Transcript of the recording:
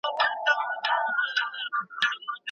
باید هره ورځ د څو دقیقو لپاره د ساه ایستلو تمرین وکړو.